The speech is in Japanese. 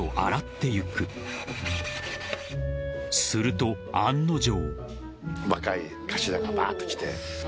［すると案の定］